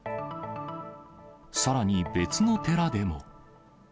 さらに別の寺でも。